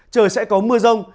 trời sẽ có mưa rông